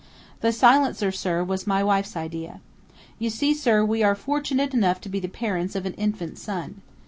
"The silencer, sir, was my wife's idea. You see, sir, we are fortunate enough to be the parents of an infant son.